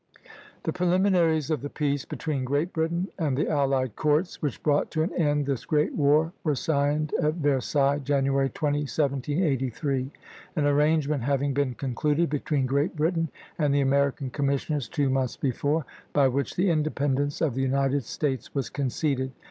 The preliminaries of the peace between Great Britain and the allied courts, which brought to an end this great war, were signed at Versailles, January 20, 1783, an arrangement having been concluded between Great Britain and the American Commissioners two months before, by which the independence of the United States was conceded.